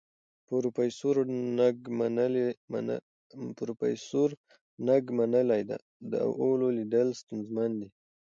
پروفیسور نګ منلې ده، د اولو لیدل ستونزمن دي.